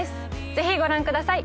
ぜひご覧ください